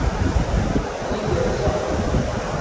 Aql-i gerrzeɣ.